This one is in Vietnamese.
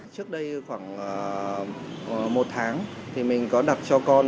trước đây khoảng một tháng thì mình có đặt cho con